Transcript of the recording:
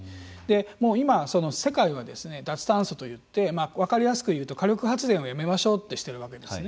今、世界は脱炭素といって分かりやすく言うと火力発電をやめようとしているわけですよね。